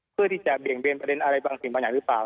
เพื่อที่จะเบี่ยงเบนประเด็นอะไรบางสิ่งบางอย่างหรือเปล่า